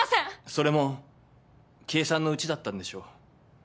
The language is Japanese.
それも計算のうちだったんでしょう。